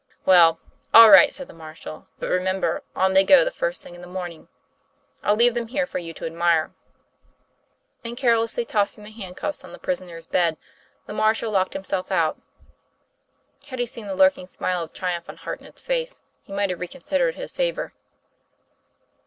'Well, all right," said the marshal; "but remem ber, on they go the first thing in the morning. I'll leave them here for you to admire." And, carelessly tossing the handcuffs on the prisoner's bed, the marshal locked himself out. Had he seen the lurk ing smile of triumph on Hartnett's face, he might have reconsidered his favor.